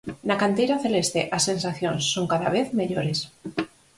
Na canteira celeste as sensacións son cada vez mellores.